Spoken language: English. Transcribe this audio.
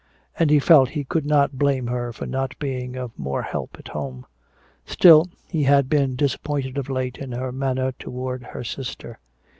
And he felt he could not blame her for not being of more help at home. Still, he had been disappointed of late in her manner toward her sister.